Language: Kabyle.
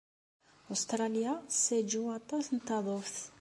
Ustṛalya tessaǧaw aṭas n taḍuft.